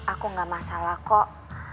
aku gak masalah kok